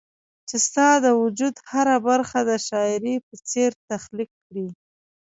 چي ستا د وجود هره برخه د شاعري په څير تخليق کړي